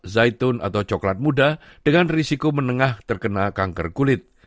zaitun atau coklat muda dengan risiko menengah terkena kanker kulit